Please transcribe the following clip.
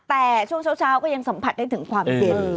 แต่ช่วงเช้าก็ยังสัมผัสได้ถึงความเย็น